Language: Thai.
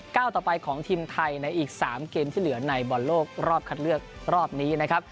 ต่อไปของทีมไทยในอีก๓เกมที่เหลือในบอลโลกรอบคัดเลือกรอบนี้นะครับ